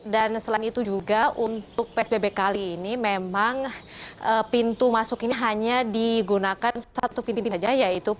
dan selain itu juga untuk psbb kali ini memang pintu masuk ini hanya digunakan satu pintu saja yaitu pembukaan